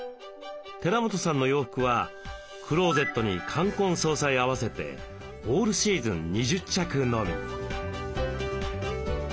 寺本さんの洋服はクローゼットに冠婚葬祭合わせてオールシーズン２０着のみ。